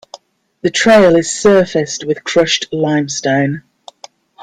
The trail is surfaced with crushed limestone.